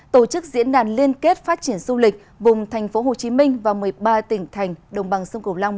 tổ chức diễn đàn liên kết phát triển du lịch vùng tp hcm và một mươi ba tỉnh thành đồng bằng sông cổ long